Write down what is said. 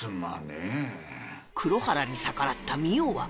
黒原に逆らった澪は